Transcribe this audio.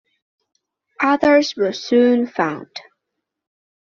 Others were soon found.